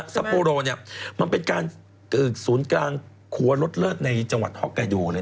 ซัโปรโรเนี่ยมันเป็นการสูญกลางครัวรถเลิศในจังหวัดฮอกไกยู